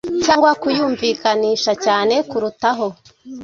cyangwa kuyumvikanisha cyane kurutaho